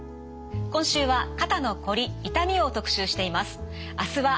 今週は「肩のこり・痛み」を特集しています。